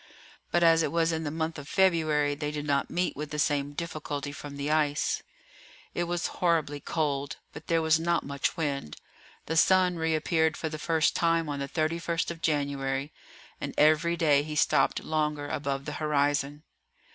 But as it was in the month of February they did not meet with the same difficulty from the ice. It was horribly cold, but there was not much wind. The sun reappeared for the first time on the 31st of January, and every day he stopped longer above the horizon.